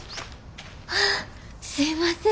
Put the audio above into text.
ああすいません